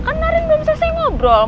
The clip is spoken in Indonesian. kan karin belum selesai ngobrol